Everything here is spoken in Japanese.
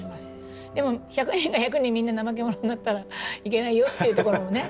でも１００人が１００人みんななまけ者になったらいけないよってところもね。